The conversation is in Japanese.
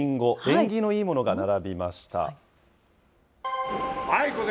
縁起のいいものが並びました。